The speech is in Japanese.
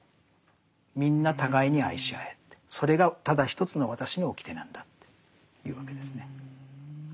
みんな互いに愛し合えってそれがただ一つの私の掟なんだって言うわけですね。